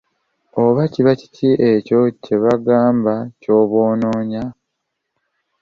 Oba kiba kiki ekyo kyebagamba ky'oba onoonya?